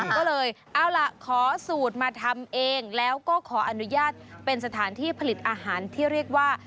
ก็เลยเอาล่ะขอสูตรมาทำเองแล้วก็ขออนุญาตเป็นสถานที่ผลิตอาหารที่เรียกว่า